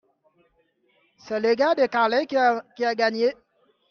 c'est le gars de Carhaix qui a gagné.